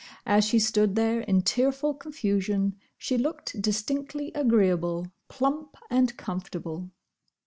As she stood there in tearful confusion, she looked distinctly agreeable; plump and comfortable.